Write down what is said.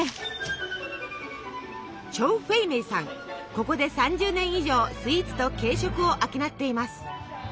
ここで３０年以上スイーツと軽食を商っています。